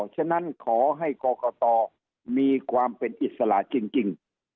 ฉะนั้นขอให้กรกตมีความเป็นอิสระจริง